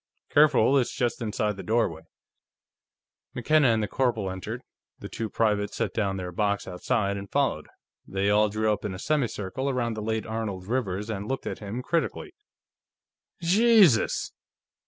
"Careful; it's just inside the doorway." McKenna and the corporal entered; the two privates set down their box outside and followed. They all drew up in a semicircle around the late Arnold Rivers and looked at him critically. "Jesus!"